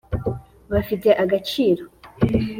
bifite agaciro.